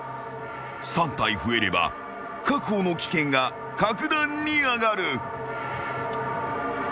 ［３体増えれば確保の危険が格段に上がる］